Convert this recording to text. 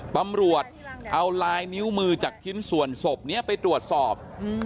ตำรวจเอาลายนิ้วมือจากชิ้นส่วนศพนี้ไปตรวจสอบ